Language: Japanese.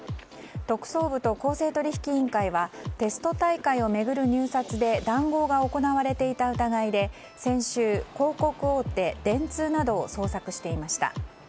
特捜部と公正取引委員会はテスト大会を巡る入札で談合が行われていた疑いで先週、広告大手・電通などを捜索していました。